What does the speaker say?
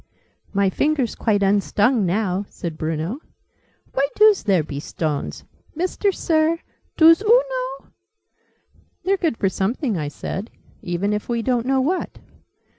"My finger's quite unstung now!" said Bruno. "Why doos there be stones? Mister Sir, doos oo know?" "They're good for something," I said: "even if we don't know what.